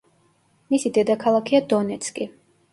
მისი დედაქალაქია დონეცკი.